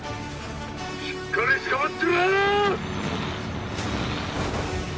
しっかりつかまってろ！